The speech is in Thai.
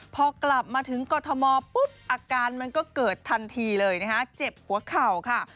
พอกลับมาถึงกรทมปุ๊บอาการมันก็เกิดทันทีเลยนะคะเจ็บหัวเข่าค่ะ